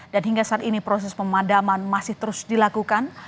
hingga saat ini proses pemadaman masih terus dilakukan